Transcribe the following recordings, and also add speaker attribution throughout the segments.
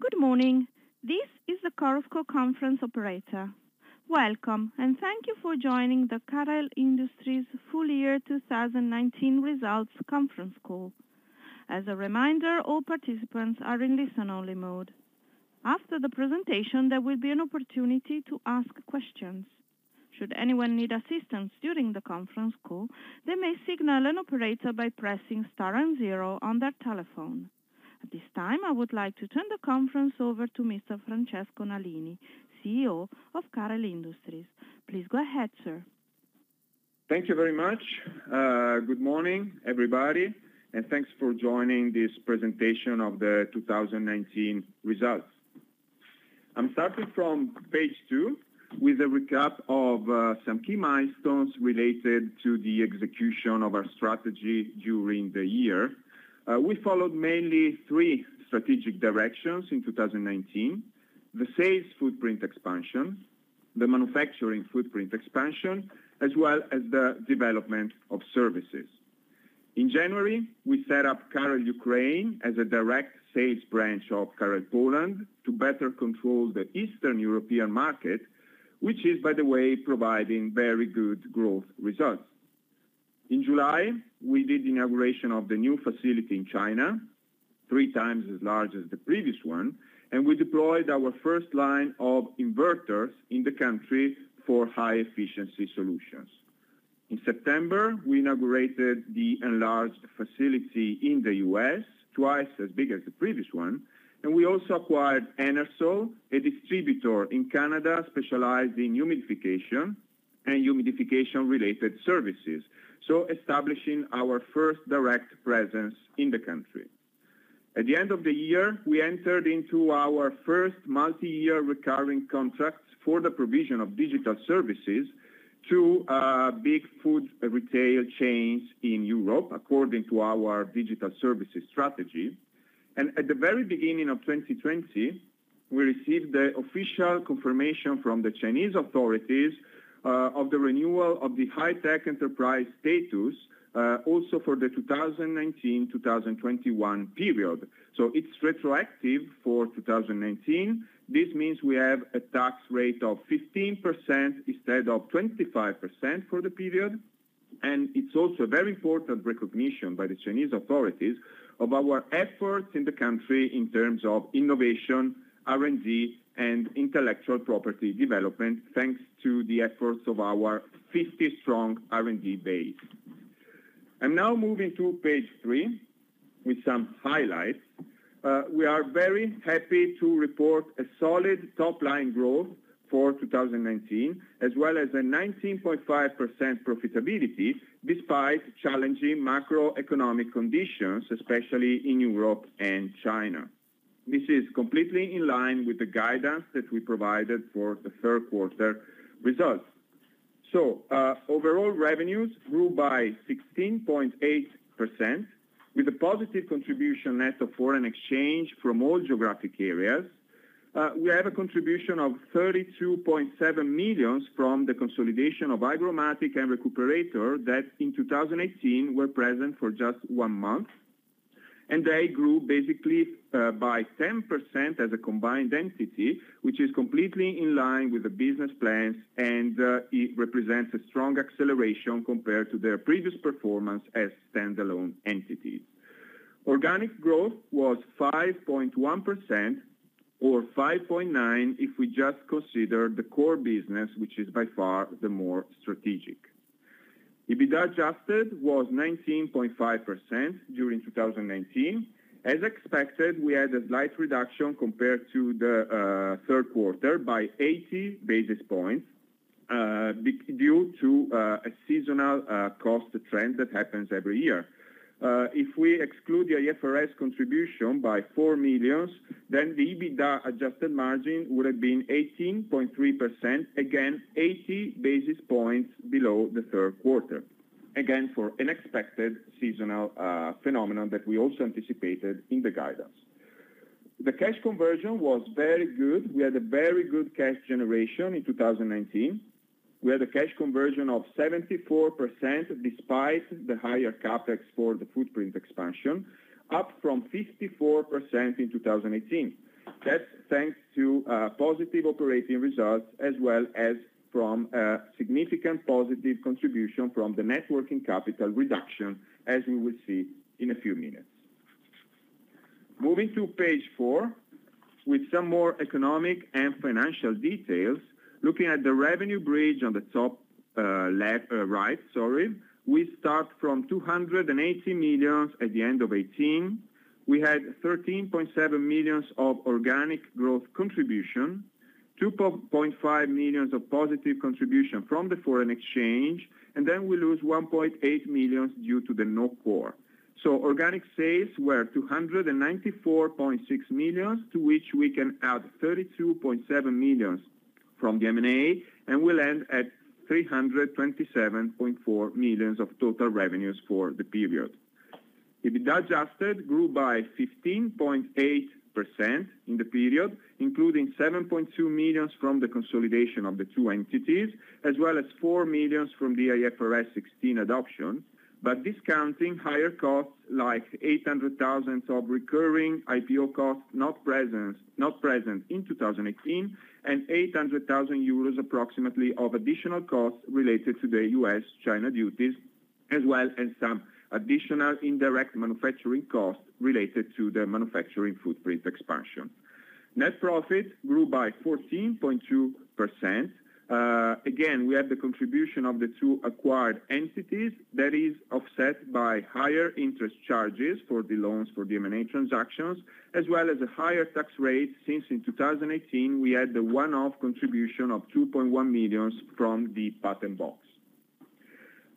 Speaker 1: Good morning. Thank you very much. Good morning, everybody, and thanks for joining this presentation of the 2019 results. I'm starting from page two with a recap of some key milestones related to the execution of our strategy during the year. We followed mainly three strategic directions in 2019: the sales footprint expansion, the manufacturing footprint expansion, as well as the development of services. In January, we set up Carel Ukraine as a direct sales branch of Carel Poland to better control the Eastern European market, which is, by the way, providing very good growth results. In July, we did the inauguration of the new facility in China, three times as large as the previous one, and we deployed our first line of inverters in the country for high efficiency solutions. In September, we inaugurated the enlarged facility in the U.S., twice as big as the previous one, and we also acquired Enersol, a distributor in Canada specialized in humidification and humidification-related services, so establishing our first direct presence in the country. At the end of the year, we entered into our first multi-year recurring contracts for the provision of digital services to a big food retail chains in Europe, according to our digital services strategy. At the very beginning of 2020, we received the official confirmation from the Chinese authorities of the renewal of the high-tech enterprise status, also for the 2019-2021 period. It's retroactive for 2019. This means we have a tax rate of 15% instead of 25% for the period. It's also a very important recognition by the Chinese authorities of our efforts in the country in terms of innovation, R&D, and intellectual property development, thanks to the efforts of our 50-strong R&D base. I'm now moving to page three with some highlights. We are very happy to report a solid top-line growth for 2019, as well as a 19.5% profitability, despite challenging macroeconomic conditions, especially in Europe and China. This is completely in line with the guidance that we provided for the third quarter results. Overall revenues grew by 16.8% with a positive contribution net of foreign exchange from all geographic areas. We have a contribution of 32.7 million from the consolidation of HygroMatik and Recuperator that in 2018 were present for just one month. They grew basically by 10% as a combined entity, which is completely in line with the business plans. It represents a strong acceleration compared to their previous performance as standalone entities. Organic growth was 5.1%, or 5.9% if we just consider the core business, which is by far the more strategic. EBITDA adjusted was 19.5% during 2019. As expected, we had a slight reduction compared to the third quarter by 80 basis points, due to a seasonal cost trend that happens every year. If we exclude the IFRS contribution by 4 million, the EBITDA adjusted margin would have been 18.3%, again, 80 basis points below the third quarter, again, for an expected seasonal phenomenon that we also anticipated in the guidance. The cash conversion was very good. We had a very good cash generation in 2019. We had a cash conversion of 74%, despite the higher CapEx for the footprint expansion, up from 54% in 2018. That's thanks to positive operating results as well as from a significant positive contribution from the net working capital reduction, as we will see in a few minutes. Moving to page four, with some more economic and financial details. Looking at the revenue bridge on the top right, we start from 280 million at the end of 2018. We had 13.7 million of organic growth contribution, 2.5 million of positive contribution from the foreign exchange, and then we lose 1.8 million due to the non-core. Organic sales were 294.6 million, to which we can add 32.7 million from the M&A, and we land at 327.4 million of total revenues for the period. EBITDA adjusted grew by 15.8% in the period, including 7.2 million from the consolidation of the two entities, as well as 4 million from the IFRS 16 adoption, but discounting higher costs like 800,000 of recurring IPO costs not present in 2018, and 800,000 euros approximately of additional costs related to the U.S. China duties, as well as some additional indirect manufacturing costs related to the manufacturing footprint expansion. Net profit grew by 14.2%. Again, we had the contribution of the two acquired entities that is offset by higher interest charges for the loans for the M&A transactions, as well as a higher tax rate, since in 2018 we had the one-off contribution of 2.1 million from the patent box.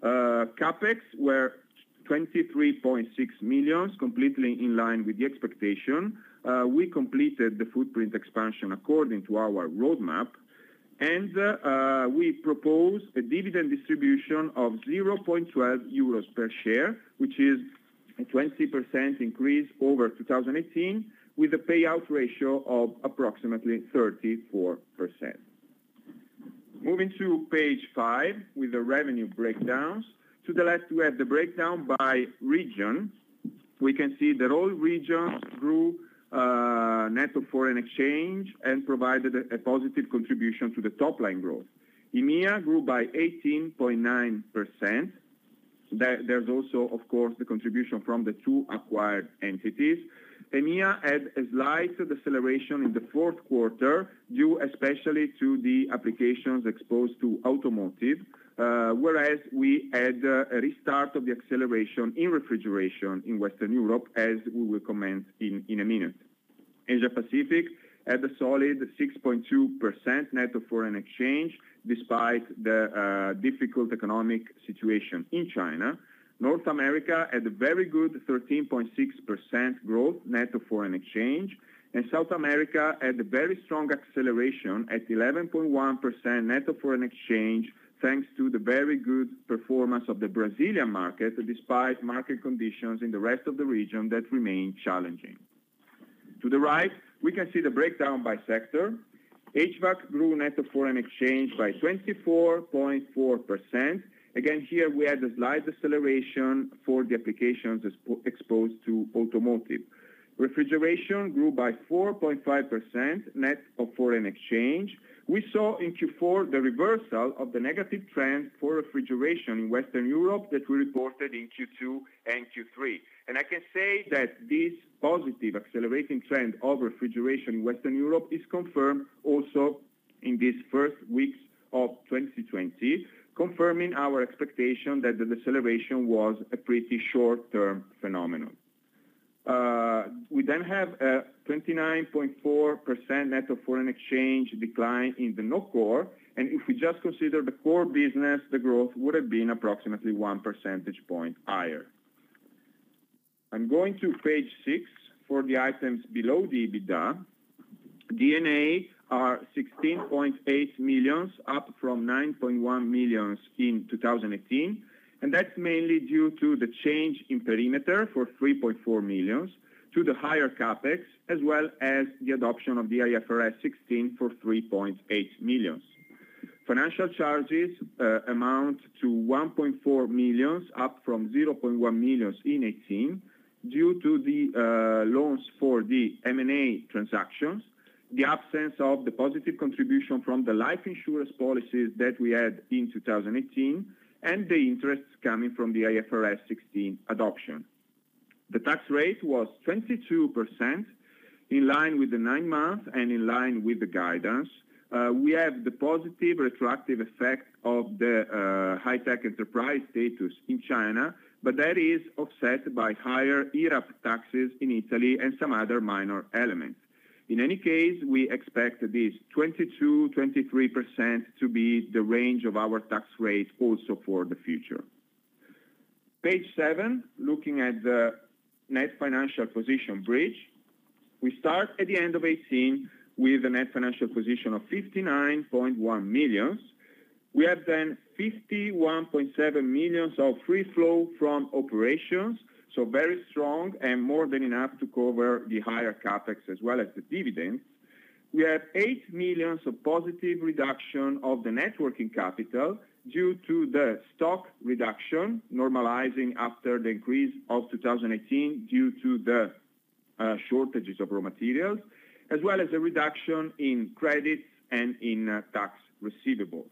Speaker 1: CapEx were 23.6 million, completely in line with the expectation. We propose a dividend distribution of 0.12 euros per share, which is a 20% increase over 2018, with a payout ratio of approximately 34%. Moving to page five, with the revenue breakdowns. To the left, we have the breakdown by region. We can see that all regions grew net of foreign exchange and provided a positive contribution to the top line growth. EMEA grew by 18.9%. There's also, of course, the contribution from the two acquired entities. EMEA had a slight deceleration in the fourth quarter, due especially to the applications exposed to automotive, whereas we had a restart of the acceleration in refrigeration in Western Europe as we will comment in a minute. Asia-Pacific had a solid 6.2% net of foreign exchange, despite the difficult economic situation in China. North America had a very good 13.6% growth net of foreign exchange, and South America had a very strong acceleration at 11.1% net of foreign exchange, thanks to the very good performance of the Brazilian market, despite market conditions in the rest of the region that remain challenging. To the right, we can see the breakdown by sector. HVAC grew net of foreign exchange by 24.4%. Again, here we had a slight deceleration for the applications exposed to automotive. Refrigeration grew by 4.5% net of foreign exchange. We saw in Q4 the reversal of the negative trend for refrigeration in Western Europe that we reported in Q2 and Q3. I can say that this positive accelerating trend of refrigeration in Western Europe is confirmed also in these first weeks of 2020, confirming our expectation that the deceleration was a pretty short term phenomenon. We have a 29.4% net of foreign exchange decline in the non-core, and if we just consider the core business, the growth would have been approximately one percentage point higher. I'm going to page six for the items below the EBITDA. D&A are 16.8 million, up from 9.1 million in 2018, and that's mainly due to the change in perimeter for 3.4 million to the higher CapEx, as well as the adoption of the IFRS 16 for 3.8 million. Financial charges amount to 1.4 million, up from 0.1 million in 2018 due to the loans for the M&A transactions, the absence of the positive contribution from the life insurance policies that we had in 2018, and the interests coming from the IFRS 16 adoption. The tax rate was 22%, in line with the nine month and in line with the guidance. We had the positive retroactive effect of the high-tech enterprise status in China, that is offset by higher IRAP taxes in Italy and some other minor elements. In any case, we expect this 22%-23% to be the range of our tax rate also for the future. Page seven, looking at the net financial position bridge. We start at the end of 2018 with a net financial position of 59.1 million. We have 51.7 million of free flow from operations, very strong and more than enough to cover the higher CapEx as well as the dividends. We have 8 million of positive reduction of the net working capital due to the stock reduction normalizing after the increase of 2018 due to the shortages of raw materials, as well as a reduction in credits and in tax receivables.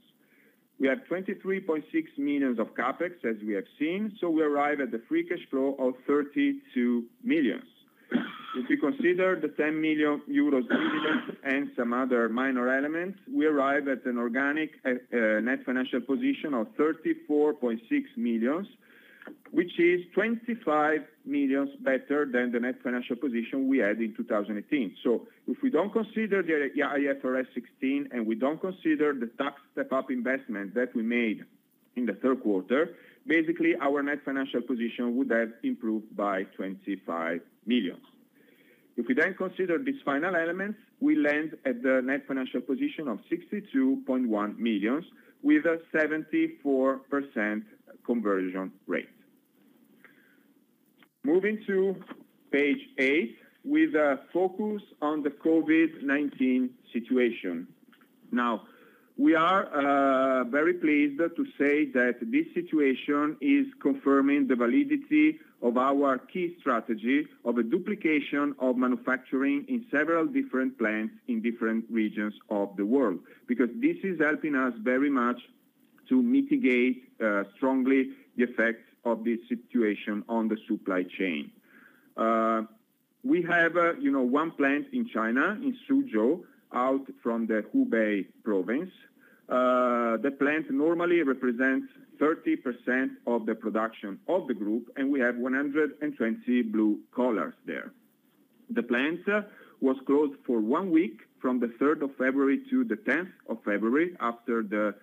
Speaker 1: We have 23.6 million of CapEx as we have seen, we arrive at the free cash flow of 32 million. If we consider the 10 million euros dividends and some other minor elements, we arrive at an organic net financial position of 34.6 million, which is 25 million better than the net financial position we had in 2018. If we don't consider the IFRS 16 and we don't consider the tax step-up investment that we made in the third quarter, basically, our net financial position would have improved by 25 million. If we then consider these final elements, we land at the net financial position of 62.1 million, with a 74% conversion rate. Moving to page eight, with a focus on the COVID-19 situation. We are very pleased to say that this situation is confirming the validity of our key strategy of a duplication of manufacturing in several different plants in different regions of the world, because this is helping us very much to mitigate strongly the effects of this situation on the supply chain. We have one plant in China, in Suzhou, out from the Hubei province. The plant normally represents 30% of the production of the group, and we have 120 blue collars there. The plant was closed for one week from the 3rd of February to the 10th of February, after the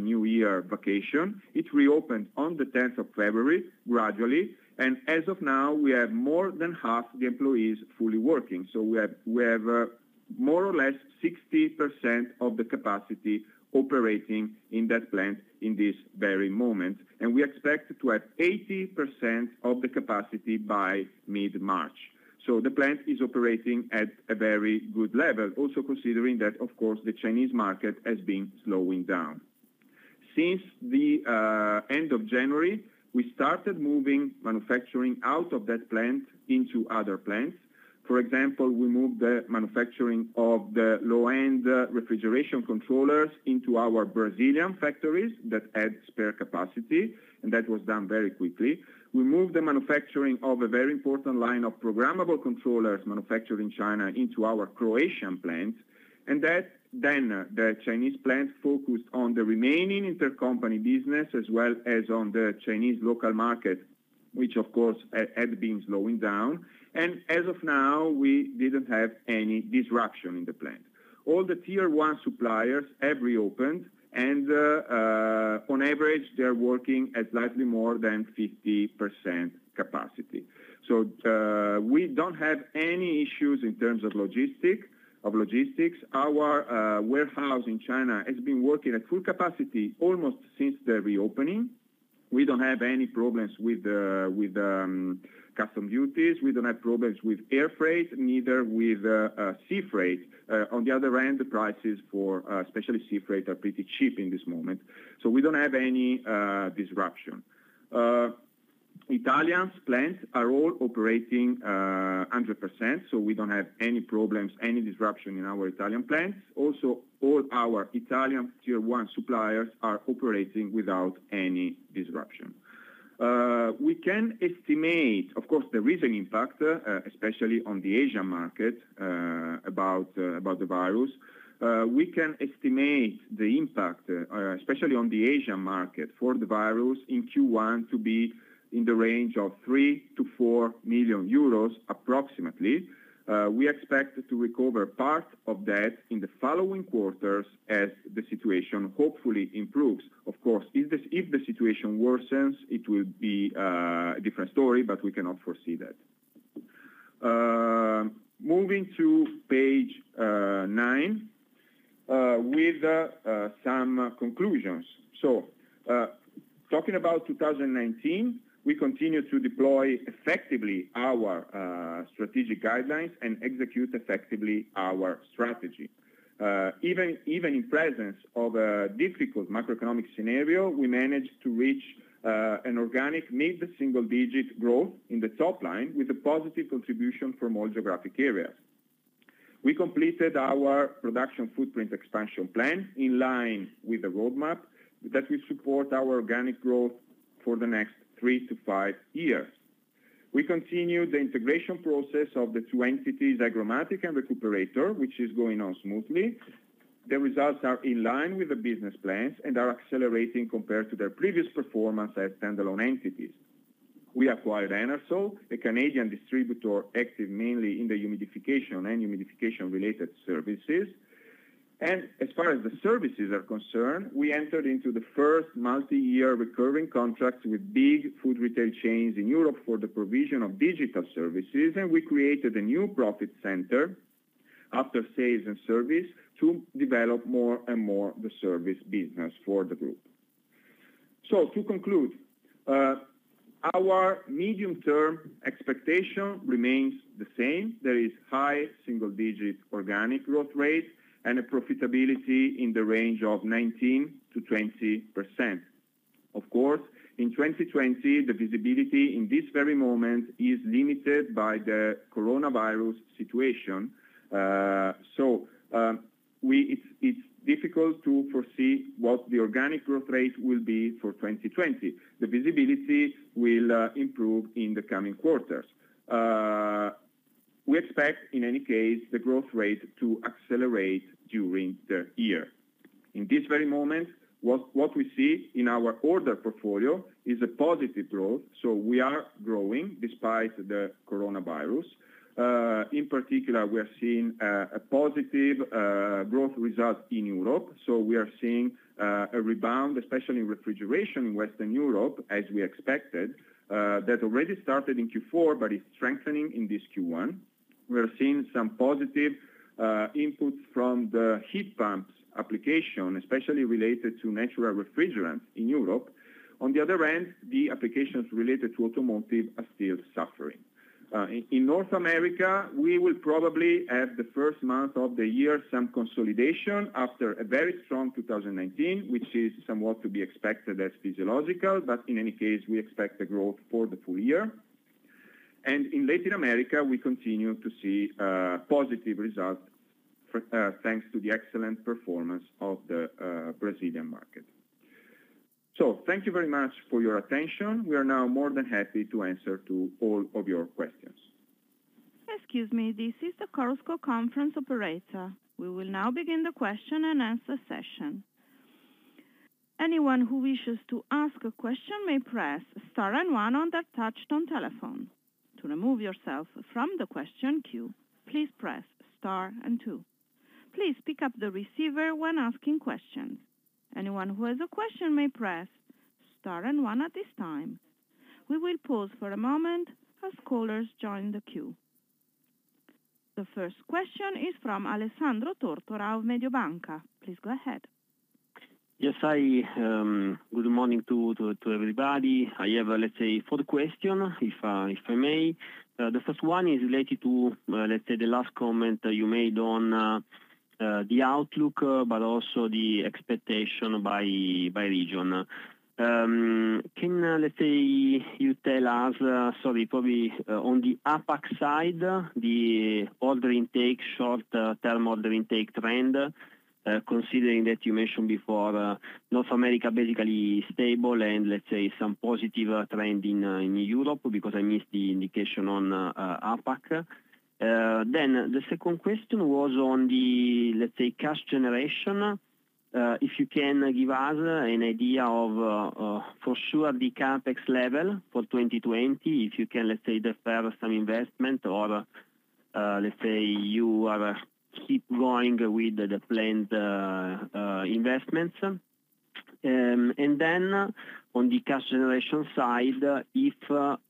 Speaker 1: New Year vacation. It reopened on the 10th of February, gradually, and as of now, we have more than half the employees fully working. We have more or less 60% of the capacity operating in that plant in this very moment. We expect to have 80% of the capacity by mid-March. The plant is operating at a very good level, also considering that, of course, the Chinese market has been slowing down. Since the end of January, we started moving manufacturing out of that plant into other plants. For example, we moved the manufacturing of the low-end refrigeration controllers into our Brazilian factories that had spare capacity, and that was done very quickly. We moved the manufacturing of a very important line of programmable controllers manufactured in China into our Croatian plant, and then the Chinese plant focused on the remaining intercompany business, as well as on the Chinese local market, which of course, had been slowing down. As of now, we didn't have any disruption in the plant. All the Tier 1 suppliers have reopened, and on average, they are working at slightly more than 50% capacity. We don't have any issues in terms of logistics. Our warehouse in China has been working at full capacity almost since the reopening. We don't have any problems with custom duties. We don't have problems with air freight, neither with sea freight. On the other hand, the prices for especially sea freight are pretty cheap in this moment. We don't have any disruption. Italian plants are all operating 100%, we don't have any problems, any disruption in our Italian plants. All our Italian Tier 1 suppliers are operating without any disruption. We can estimate, of course, there is an impact, especially on the Asian market, about the virus. We can estimate the impact, especially on the Asian market for the virus in Q1, to be in the range of 3 million-4 million euros approximately. We expect to recover part of that in the following quarters as the situation hopefully improves. Of course, if the situation worsens, it will be a different story, but we cannot foresee that. Moving to page nine, with some conclusions. Talking about 2019, we continued to deploy effectively our strategic guidelines and execute effectively our strategy. Even in presence of a difficult macroeconomic scenario, we managed to reach an organic mid-single-digit growth in the top line with a positive contribution from all geographic areas. We completed our production footprint expansion plan in line with the roadmap that will support our organic growth for the next three to five years. We continued the integration process of the two entities, HygroMatik and Recuperator, which is going on smoothly. The results are in line with the business plans and are accelerating compared to their previous performance as standalone entities. We acquired Enersol, the Canadian distributor active mainly in the humidification and humidification-related services. As far as the services are concerned, we entered into the first multi-year recurring contracts with big food retail chains in Europe for the provision of digital services, and we created a new profit center after-sales and service to develop more and more the service business for the group. To conclude, our medium-term expectation remains the same. There is high single-digit organic growth rate and a profitability in the range of 19%-20%. Of course, in 2020, the visibility in this very moment is limited by the COVID-19 situation. It's difficult to foresee what the organic growth rate will be for 2020. The visibility will improve in the coming quarters. We expect, in any case, the growth rate to accelerate during the year. In this very moment, what we see in our order portfolio is a positive growth. We are growing despite the COVID-19. In particular, we are seeing a positive growth result in Europe. We are seeing a rebound, especially in refrigeration in Western Europe, as we expected, that already started in Q4, but is strengthening in this Q1. We are seeing some positive input from the heat pumps application, especially related to natural refrigerant in Europe. On the other hand, the applications related to automotive are still suffering. In North America, we will probably have, the first month of the year, some consolidation after a very strong 2019, which is somewhat to be expected as physiological. In any case, we expect a growth for the full year. In Latin America, we continue to see positive results, thanks to the excellent performance of the Brazilian market. Thank you very much for your attention. We are now more than happy to answer to all of your questions.
Speaker 2: Excuse me, this is the Chorus Call conference operator. We will now begin the question and answer session. Anyone who wishes to ask a question may press star and one on their touch-tone telephone. To remove yourself from the question queue, please press star and two. Please pick up the receiver when asking questions. Anyone who has a question may press star and one at this time. We will pause for a moment as callers join the queue. The first question is from Alessandro Tortora of Mediobanca. Please go ahead.
Speaker 3: Yes. Good morning to everybody. I have, let's say, four questions, if I may. The first one is related to, let's say, the last comment you made on the outlook, but also the expectation by region. Can, let's say, you tell us, sorry, probably on the APAC side, the order intake, short-term order intake trend, considering that you mentioned before North America, basically stable and let's say some positive trend in Europe, because I missed the indication on APAC? The second question was on the, let's say, cash generation. If you can give us an idea of, for sure, the CapEx level for 2020, if you can, let's say, defer some investment or, let's say, you keep going with the planned investments. Then on the cash generation side, if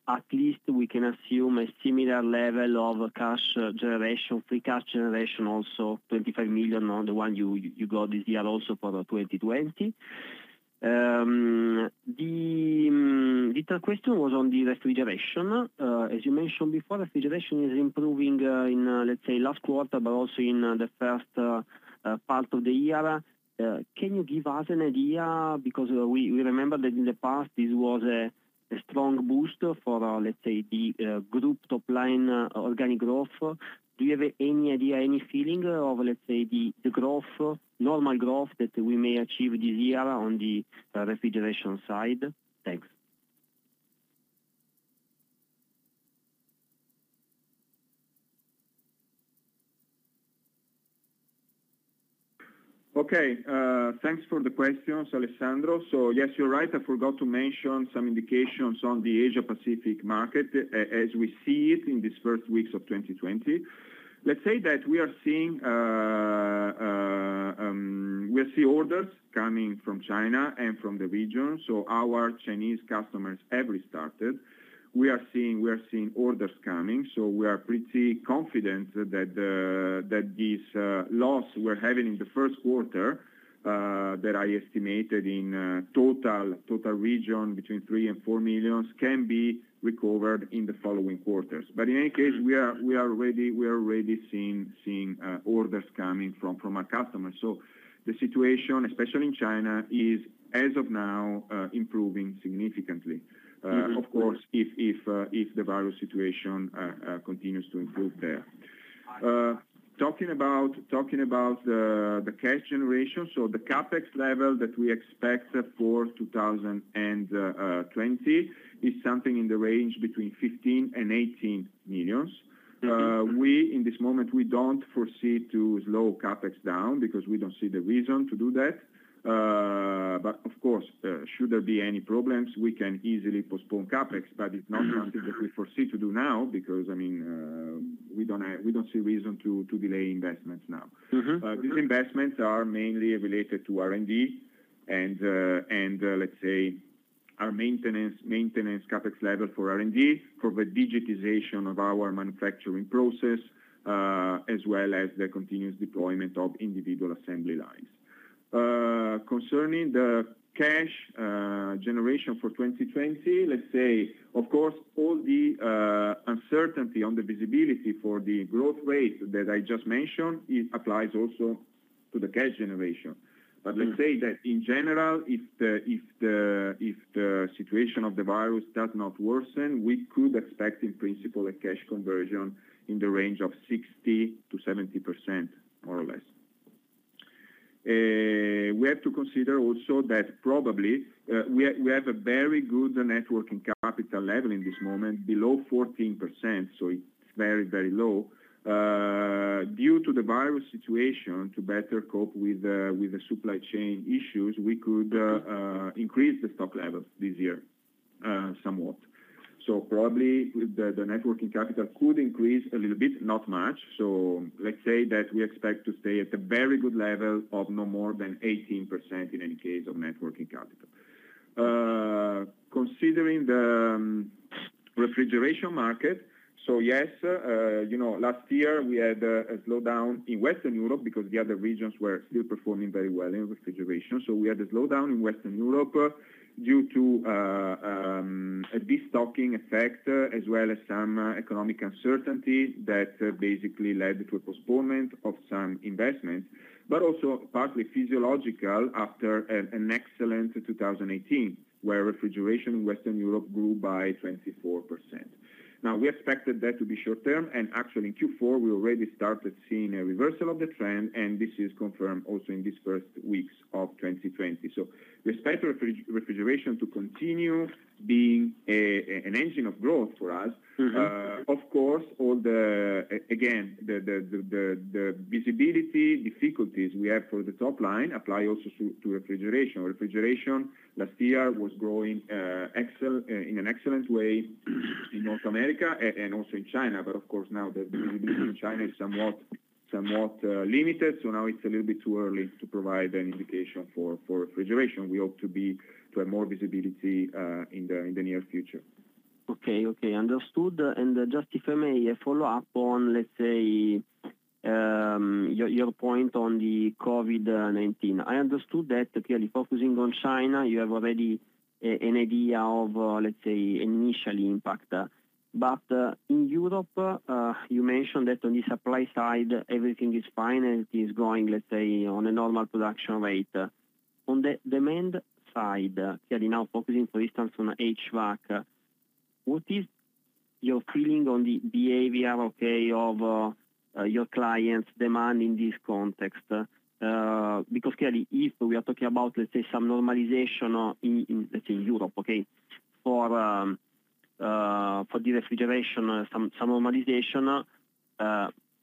Speaker 3: at least we can assume a similar level of cash generation, free cash generation, also 25 million on the one you got this year also for 2020. The third question was on the refrigeration. As you mentioned before, refrigeration is improving in, let's say, last quarter, also in the first part of the year. Can you give us an idea? We remember that in the past, this was a strong boost for, let's say, the group top line organic growth. Do you have any idea, any feeling of, let's say, the normal growth that we may achieve this year on the refrigeration side? Thanks.
Speaker 1: Okay. Thanks for the questions, Alessandro. Yes, you're right. I forgot to mention some indications on the Asia Pacific market as we see it in these first weeks of 2020. Let's say that we are seeing orders coming from China and from the region, so our Chinese customers have restarted. We are seeing orders coming, so we are pretty confident that this loss we're having in the first quarter, that I estimated in total region between 3 million and 4 million, can be recovered in the following quarters. In any case, we are already seeing orders coming from our customers. The situation, especially in China, is, as of now, improving significantly. Of course, if the virus situation continues to improve there. Talking about the cash generation, so the CapEx level that we expect for 2020 is something in the range between 15 million and 18 million. In this moment, we don't foresee to slow CapEx down because we don't see the reason to do that. Of course, should there be any problems, we can easily postpone CapEx, but it's not something that we foresee to do now, because we don't see reason to delay investments now. These investments are mainly related to R&D and, let's say, our maintenance CapEx level for R&D, for the digitization of our manufacturing process, as well as the continuous deployment of individual assembly lines. Concerning the cash generation for 2020, let's say, of course, all the uncertainty on the visibility for the growth rate that I just mentioned, it applies also to the cash generation. Let's say that in general, if the situation of the virus does not worsen, we could expect, in principle, a cash conversion in the range of 60%-70%, more or less. We have to consider also that probably, we have a very good net working capital level in this moment, below 14%, so it's very low. Due to the virus situation, to better cope with the supply chain issues, we could increase the stock levels this year, somewhat. Probably, the net working capital could increase a little bit, not much. Let's say that we expect to stay at a very good level of no more than 18%, in any case, of net working capital. Considering the refrigeration market, yes, last year we had a slowdown in Western Europe because the other regions were still performing very well in refrigeration. We had a slowdown in Western Europe due to a de-stocking effect, as well as some economic uncertainty that basically led to a postponement of some investments, but also partly physiological after an excellent 2018, where refrigeration in Western Europe grew by 24%. We expected that to be short-term, and actually in Q4, we already started seeing a reversal of the trend, and this is confirmed also in these first weeks of 2020. We expect refrigeration to continue being an engine of growth for us. Of course, again, the visibility difficulties we have for the top line apply also to refrigeration. Refrigeration last year was growing in an excellent way in North America and also in China. Of course, now the visibility in China is somewhat limited, now it's a little bit too early to provide an indication for refrigeration. We hope to have more visibility in the near future.
Speaker 3: Okay. Understood. Just if I may follow up on, let's say, your point on the COVID-19. I understood that clearly focusing on China, you have already an idea of, let's say, initial impact. In Europe, you mentioned that on the supply side, everything is fine and is going, let's say, on a normal production rate. On the demand side, clearly now focusing, for instance, on HVAC, what is your feeling on the behavior of your clients' demand in this context? Clearly if we are talking about, let's say, some normalization in, let's say, Europe for the refrigeration.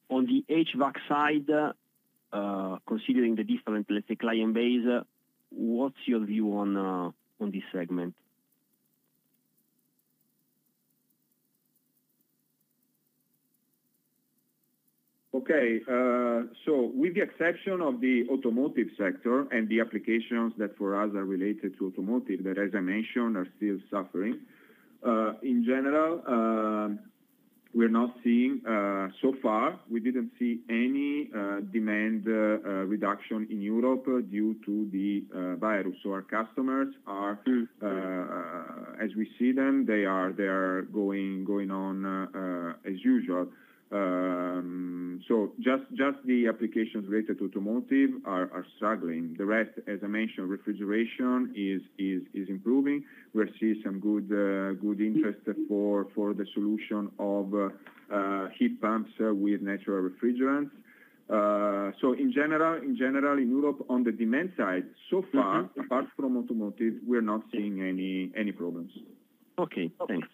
Speaker 3: On the HVAC side, considering the different client base, what's your view on this segment?
Speaker 1: Okay. With the exception of the automotive sector and the applications that for us are related to automotive, that as I mentioned, are still suffering, in general, so far, we didn't see any demand reduction in Europe due to the virus. Our customers are. As we see them, they are going on as usual. Just the applications related to automotive are struggling. The rest, as I mentioned, refrigeration is improving. We're seeing some good interest for the solution of heat pumps with natural refrigerants. In general, in Europe on the demand side, so far apart from automotive, we're not seeing any problems.
Speaker 3: Okay, thanks.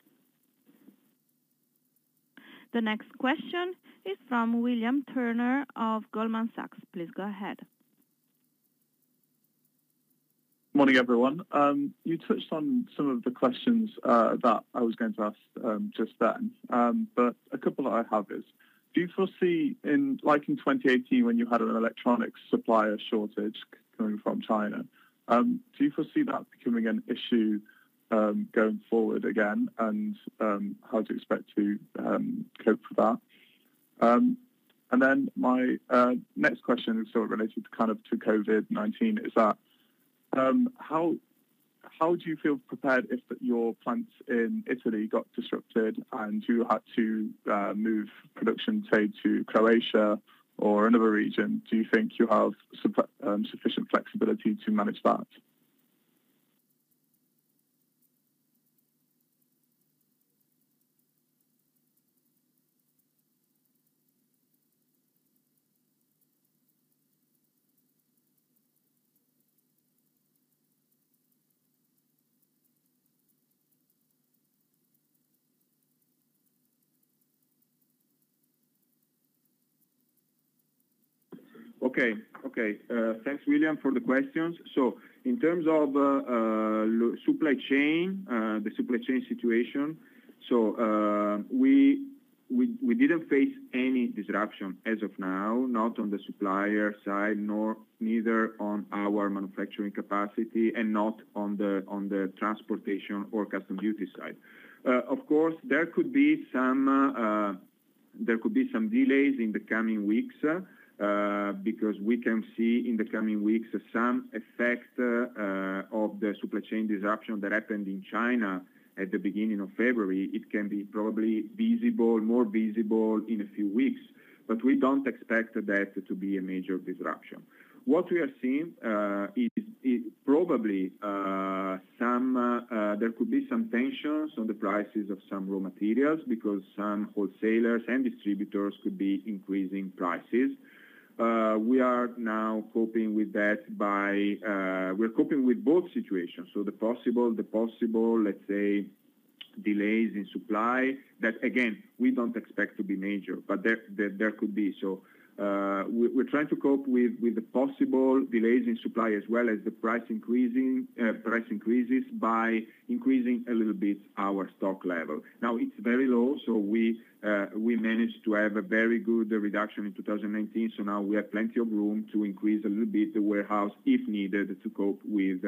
Speaker 2: The next question is from William Turner of Goldman Sachs. Please go ahead.
Speaker 4: Morning, everyone. You touched on some of the questions that I was going to ask just then. A couple that I have is, do you foresee, like in 2018 when you had an electronic supplier shortage coming from China, do you foresee that becoming an issue going forward again? How do you expect to cope with that? My next question is sort of related to COVID-19, is that, how do you feel prepared if your plants in Italy got disrupted and you had to move production, say, to Croatia or another region? Do you think you have sufficient flexibility to manage that?
Speaker 1: Okay. Thanks, William, for the questions. In terms of the supply chain situation, so we didn't face any disruption as of now, not on the supplier side, neither on our manufacturing capacity, and not on the transportation or custom duty side. Of course, there could be some delays in the coming weeks, because we can see in the coming weeks some effect of the supply chain disruption that happened in China at the beginning of February. It can be probably more visible in a few weeks. We don't expect that to be a major disruption. What we are seeing is probably there could be some tensions on the prices of some raw materials because some wholesalers and distributors could be increasing prices. We are now coping with both situations. The possible, let's say delays in supply that, again, we don't expect to be major, but there could be. We're trying to cope with the possible delays in supply as well as the price increases by increasing a little bit our stock level. Now it's very low. We managed to have a very good reduction in 2019. Now we have plenty of room to increase a little bit the warehouse, if needed, to cope with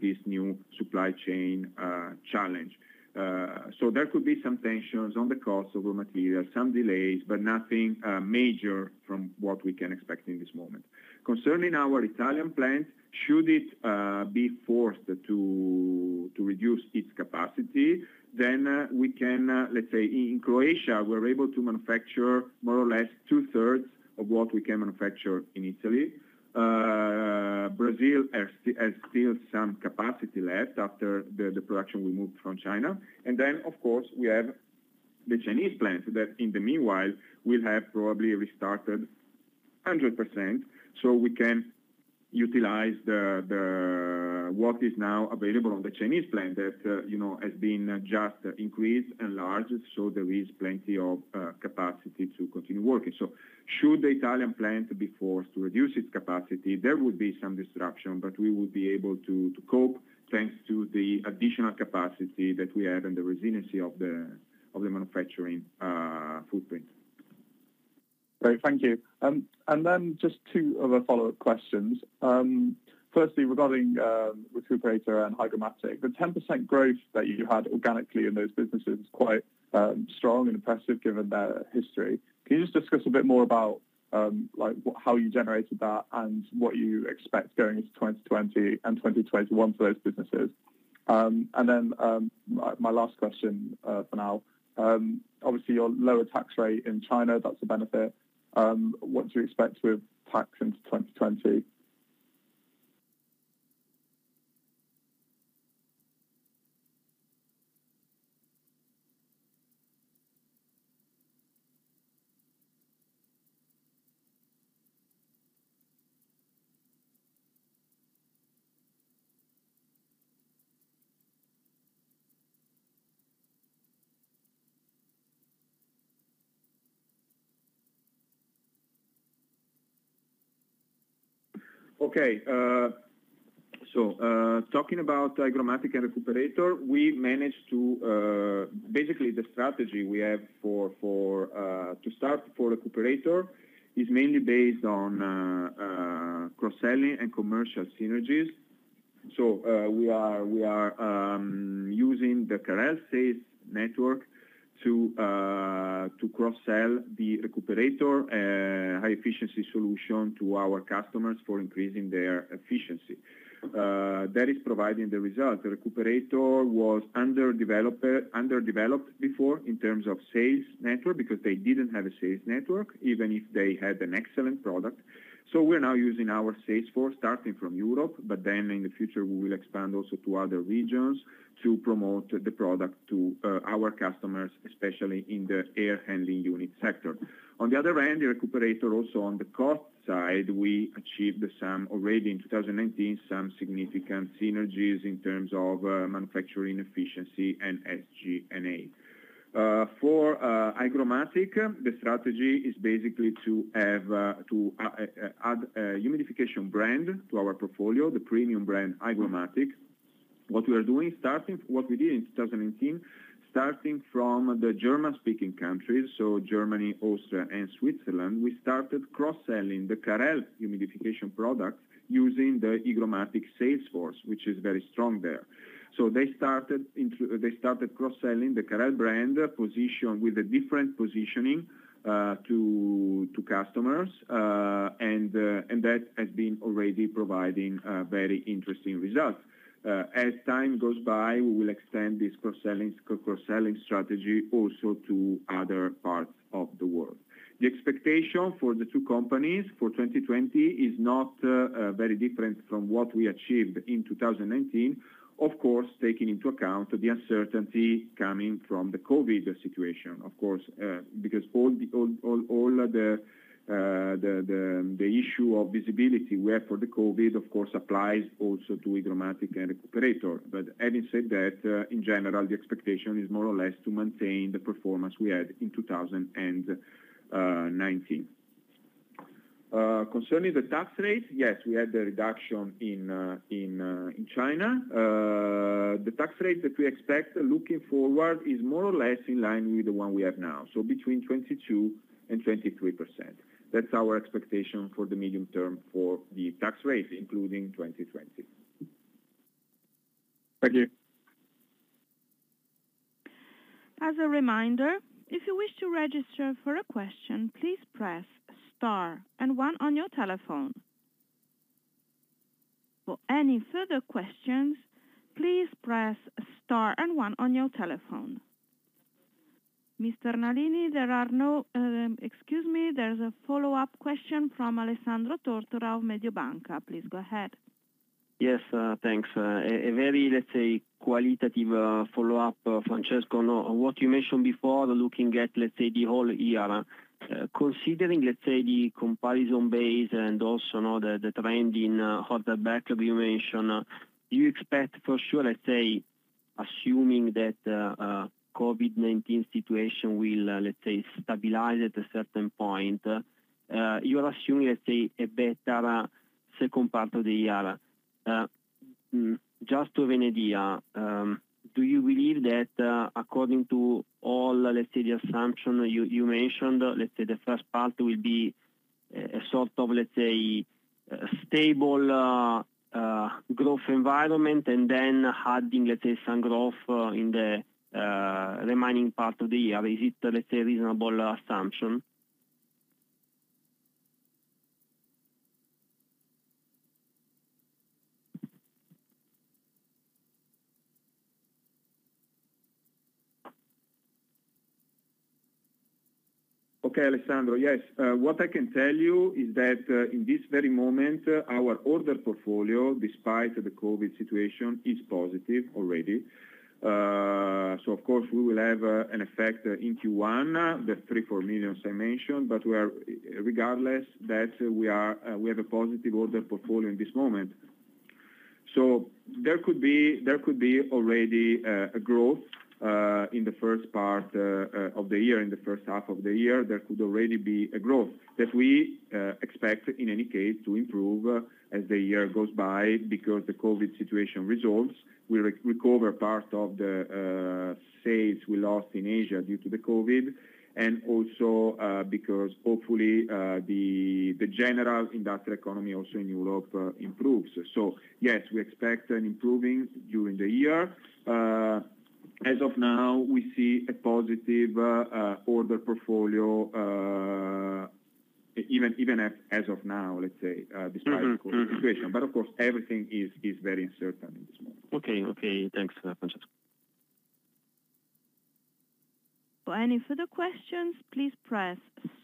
Speaker 1: this new supply chain challenge. There could be some tensions on the cost of raw material, some delays, but nothing major from what we can expect in this moment. Concerning our Italian plant, should it be forced to reduce its capacity, then we can say, in Croatia, we're able to manufacture more or less two-thirds of what we can manufacture in Italy. Brazil has still some capacity left after the production we moved from China. Of course, we have the Chinese plant that, in the meanwhile, will have probably restarted 100%, so we can utilize what is now available on the Chinese plant that has been just increased and enlarged, so there is plenty of capacity to continue working. Should the Italian plant be forced to reduce its capacity, there would be some disruption, but we would be able to cope thanks to the additional capacity that we have and the resiliency of the manufacturing footprint.
Speaker 4: Great. Thank you. Just two other follow-up questions. Firstly, regarding Recuperator and HygroMatik, the 10% growth that you had organically in those businesses is quite strong and impressive given their history. Can you just discuss a bit more about how you generated that and what you expect going into 2020 and 2021 for those businesses? My last question for now, obviously your lower tax rate in China, that's a benefit. What do you expect with tax into 2020?
Speaker 1: Talking about HygroMatik and Recuperator, basically the strategy we have to start for Recuperator is mainly based on cross-selling and commercial synergies. We are using the Carel sales network to cross-sell the Recuperator high-efficiency solution to our customers for increasing their efficiency. That is providing the result. Recuperator was underdeveloped before in terms of sales network because they didn't have a sales network, even if they had an excellent product. We're now using our sales force starting from Europe, in the future, we will expand also to other regions to promote the product to our customers, especially in the air handling unit sector. On the other hand, the Recuperator also on the cost side, we achieved some, already in 2019, some significant synergies in terms of manufacturing efficiency and SG&A. For HygroMatik, the strategy is basically to add a humidification brand to our portfolio, the premium brand, HygroMatik. What we did in 2019, starting from the German-speaking countries, Germany, Austria, and Switzerland, we started cross-selling the Carel humidification product using the HygroMatik sales force, which is very strong there. They started cross-selling the Carel brand with a different positioning to customers. That has been already providing very interesting results. As time goes by, we will extend this cross-selling strategy also to other parts of the world. The expectation for the two companies for 2020 is not very different from what we achieved in 2019, of course, taking into account the uncertainty coming from the COVID situation, of course. All the issue of visibility we have for the COVID, of course, applies also to HygroMatik and Recuperator. Having said that, in general, the expectation is more or less to maintain the performance we had in 2019. Concerning the tax rate, yes, we had a reduction in China. The tax rate that we expect looking forward is more or less in line with the one we have now. Between 22%-23%. That's our expectation for the medium term for the tax rate, including 2020.
Speaker 4: Thank you.
Speaker 2: As a reminder, if you wish to register for a question, please press star and one on your telephone. For any further questions, please press star and one on your telephone. Mr. Nalini, there's a follow-up question from Alessandro Tortora of Mediobanca. Please go ahead.
Speaker 3: Yes, thanks. A very, let's say, qualitative follow-up, Francesco, on what you mentioned before, looking at, let's say, the whole year. Considering, let's say, the comparison base and also now the trend in order backlog you mentioned, do you expect for sure, assuming that COVID-19 situation will, let's say, stabilize at a certain point, you are assuming, let's say, a better second part of the year? Just to have an idea, do you believe that according to all, let's say, the assumption you mentioned, let's say the first part will be a sort of stable growth environment and then adding some growth in the remaining part of the year? Is it a reasonable assumption?
Speaker 1: Okay, Alessandro. Yes. What I can tell you is that in this very moment, our order portfolio, despite the COVID-19 situation, is positive already. Of course, we will have an effect in Q1, the 3 million-4 million I mentioned, but regardless, we have a positive order portfolio in this moment. There could be already a growth, in the first part of the year, in the first half of the year, there could already be a growth that we expect, in any case, to improve as the year goes by because the COVID-19 situation resolves. We recover part of the sales we lost in Asia due to the COVID-19, also because hopefully, the general industrial economy also in Europe improves. Yes, we expect an improving during the year. As of now, we see a positive order portfolio, even as of now, let's say, despite the COVID-19 situation. Of course, everything is very uncertain at this moment.
Speaker 3: Okay. Thanks, Francesco.
Speaker 2: For any further questions, please press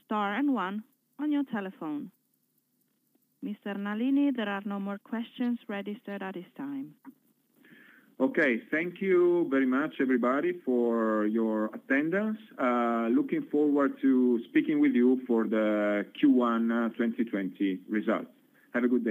Speaker 2: star and one on your telephone. Mr. Nalini, there are no more questions registered at this time.
Speaker 1: Okay. Thank you very much, everybody, for your attendance. Looking forward to speaking with you for the Q1 2020 results. Have a good day.